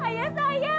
ayah serius ayah